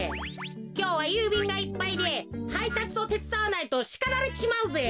きょうはゆうびんがいっぱいではいたつをてつだわないとしかられちまうぜ。